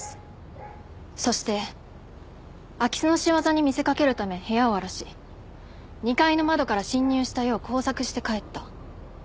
そして空き巣の仕業に見せかけるため部屋を荒らし２階の窓から侵入したよう工作して帰った。